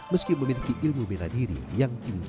meski memiliki ilmu bela diri yang tinggi